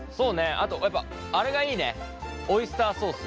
あとやっぱあれがいいねオイスターソース。